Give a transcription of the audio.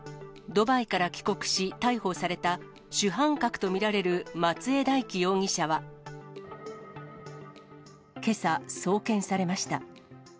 ドバイから帰国し、逮捕された主犯格と見られる松江大樹容疑者は、けさ、送検されました。